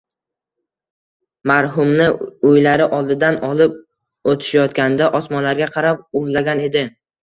Marhumni uylari oldidan olib o‘tishayotganda osmonlarga qarab uvlagan edi